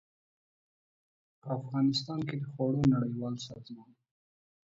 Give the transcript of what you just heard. په افغانستان کې د خوړو نړیوال سازمان